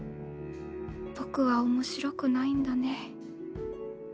僕は面白くないんだね。